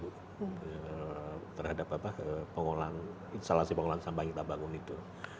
terhadap instalasi pengolahan sampah yang kita bangun itu